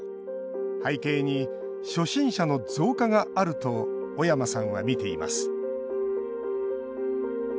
背景に初心者の増加があると小山さんは見ています。